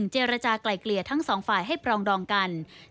เจรจากลายเกลี่ยทั้งสองฝ่ายให้ปรองดองกัน